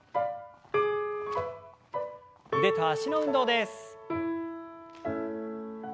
腕と脚の運動です。